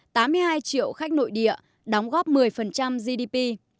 tám mươi hai triệu khách nội địa đóng góp một mươi gdp